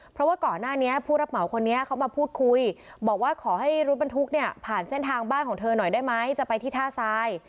เพราะว่าก่อนหน้านี้ผู้รับเหมาคนนี้เขามาพูดคุยบอกว่าขอให้รถบรรทุกเนี่ยผ่านเส้นทางบ้านของเธอหน่อยได้ไหมจะไปที่ท่าทราย